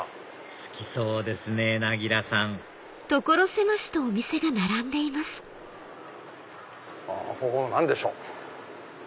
好きそうですねなぎらさんここは何でしょう？